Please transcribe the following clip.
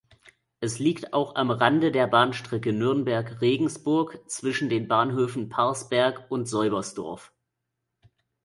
Es liegt auch am Rande der Bahnstrecke Nürnberg–Regensburg zwischen den Bahnhöfen Parsberg und Seubersdorf.